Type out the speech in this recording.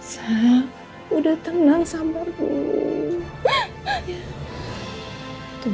sam udah tenang sabar dulu